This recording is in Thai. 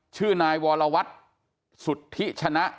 ชื่อนายวรวัตรสุธิชนะ